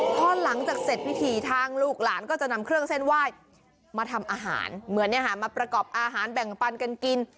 พอหลังจากเสร็จพิธีทางลูกหลานก็จะนำเครื่องเส้นไหว้มาทำอาหารเหมือนมาประกอบอาหารแบ่งปันกันกิน